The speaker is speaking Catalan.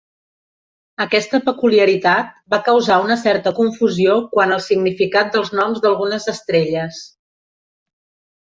Aquesta peculiaritat va causar una certa confusió quant al significat dels noms d'algunes estrelles.